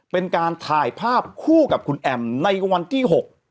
เป็นการถ่ายภาพคู่กับคุณแอมในวันที่๖